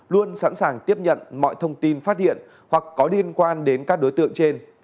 luôn sẵn sàng tiếp nhận mọi thông tin phát hiện hoặc có liên quan đến các đối tượng trên